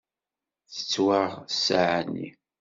Tettwaɣ ssaɛa-nni.